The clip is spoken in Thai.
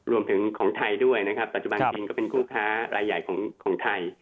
รวมถึงของไทยด้วยนะครับปัจจุบันเองก็เป็นคู่ค้ารายใหญ่ของไทย